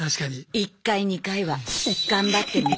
１回２回は頑張ってみる！